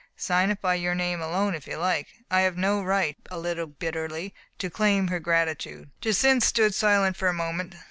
Sign it by your name alone, if you like. I have no right [a little bitterly] to claim her gratitude." Jacynth stood silent for a moment.